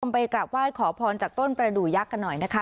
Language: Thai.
ไปกลับไหว้ขอพรจากต้นประดูกยักษ์กันหน่อยนะคะ